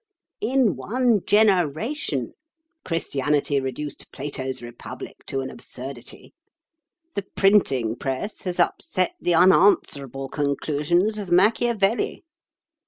In one generation Christianity reduced Plato's republic to an absurdity. The printing press has upset the unanswerable conclusions of Machiavelli."